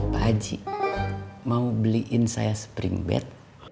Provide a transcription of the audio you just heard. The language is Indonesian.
pak haji mau beliin saya spring bed